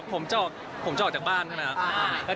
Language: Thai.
ผมก็เลยเอาขานะครับ